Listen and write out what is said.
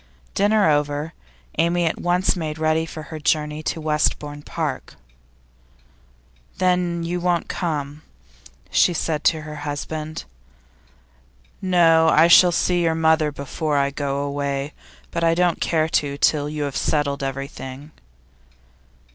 Dinner over, Amy at once made ready for her journey to Westbourne Park. 'Then you won't come?' she said to her husband. 'No. I shall see your mother before I go away, but I don't care to till you have settled everything.